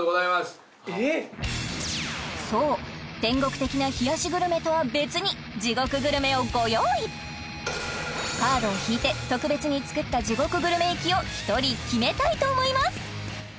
そう天国的な冷やしグルメとは別に地獄グルメをご用意カードを引いて特別に作った地獄グルメ行きを１人決めたいと思います